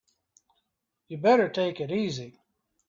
You'd better take it easy.